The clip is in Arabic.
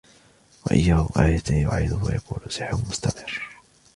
وَإِن يَرَوْا آيَةً يُعْرِضُوا وَيَقُولُوا سِحْرٌ مُّسْتَمِرٌّ